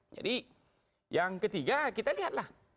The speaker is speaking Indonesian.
jadi yang ketiga kita lihatlah